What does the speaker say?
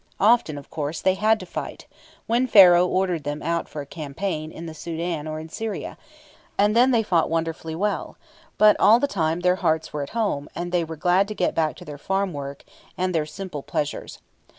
Often, of course, they had to fight, when Pharaoh ordered them out for a campaign in the Soudan or in Syria, and then they fought wonderfully well; but all the time their hearts were at home, and they were glad to get back to their farm work and their simple pleasures.